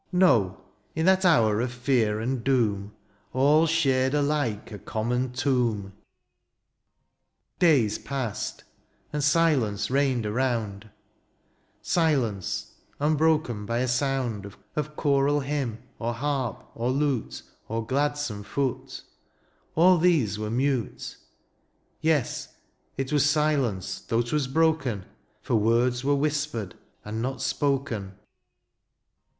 Noy in that hour of finr and doom^ All skaicd alike a conunon tomb ! Days passed ; and silence leigned aroond — Silence unbroken by a sound Of choral bymn^ or barp^ or hite^ Or gladsome foot ; all these were mnte — Yes, it was silence^ though ^twas broken^ For words were whispered and not spoken.